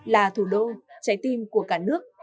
là thủ đô trái tim của cả nước